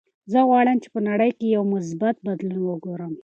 زه غواړم چې په نړۍ کې یو مثبت بدلون وګورم.